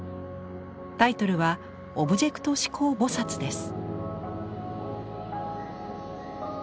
タイトルは「オブジェクト指向菩」です。